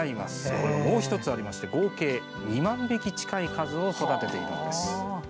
これがもう１つありまして合計２万匹近い数を育てているんです。